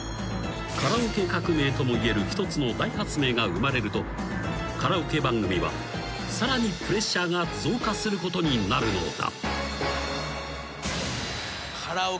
［カラオケ革命ともいえる一つの大発明が生まれるとカラオケ番組はさらにプレッシャーが増加することになるのだ］